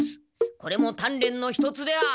これも鍛錬の一つである。